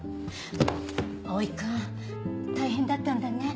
蒼君大変だったんだね。